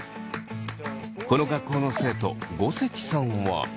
この学校の生徒ごせきさんは。